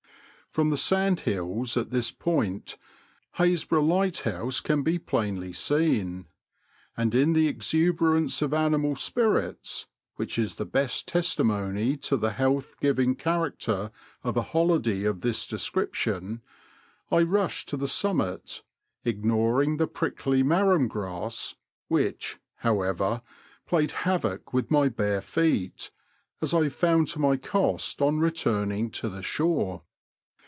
From the sandhills at this point Happisburgh Light house can be plainly seen, and in the exuberance of animal spirits, which is the best testimony to the health giving Digitized by VjOOQIC WAXHAM TO PALLING. 87 character of a holiday of this description, I rushed to the summit, ignoring the prickly marum grass, which, however, played havoc with my bare feet, as I found to my cost on returning to the shore.